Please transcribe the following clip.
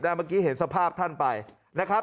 เมื่อกี้เห็นสภาพท่านไปนะครับ